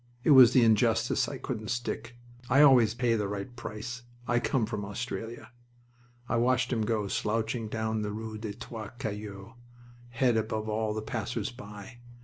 "It was the injustice I couldn't stick. I always pay the right price. I come from Australia." I watched him go slouching down the rue des Trois Cailloux, head above all the passers by.